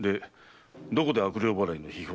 どこで悪霊祓いの秘法を？